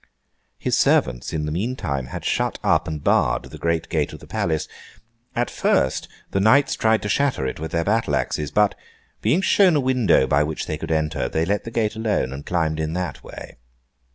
His servants, in the meantime, had shut up and barred the great gate of the palace. At first, the knights tried to shatter it with their battle axes; but, being shown a window by which they could enter, they let the gate alone, and climbed in that way.